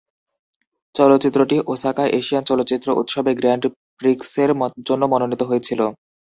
চলচ্চিত্রটি Osaka Asian চলচ্চিত্র উৎসবে গ্র্যান্ড প্রিক্সের জন্য মনোনীত হয়েছিল।